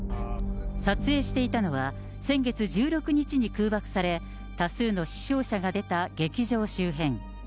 撮影していたのは、先月１６日に空爆され、多数の死傷者が出た劇場周辺。